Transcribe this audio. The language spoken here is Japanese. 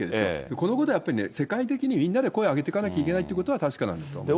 このことはやっぱり世界的にみんなで声を上げていかなきゃいけないということは確かなんだと思いますね。